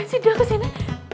ngapain dia ke sini